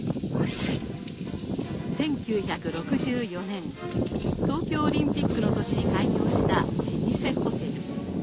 １９６４年東京オリンピックの年に開業した老舗ホテル。